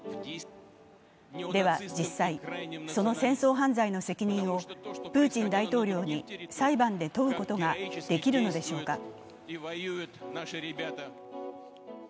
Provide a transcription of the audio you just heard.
では実際、その戦争犯罪の責任をプーチン大統領に裁判で問うことができるのでしょうか。